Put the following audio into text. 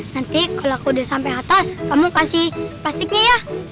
nanti kalau aku udah sampai atas kamu kasih plastiknya ya